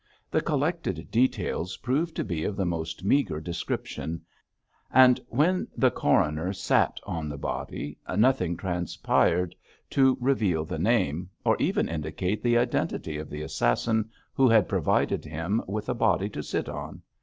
The collected details proved to be of the most meagre description, and when the coroner sat on the body nothing transpired to reveal the name, or even indicate the identity of the assassin who had provided him with a body to sit on.